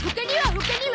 他には？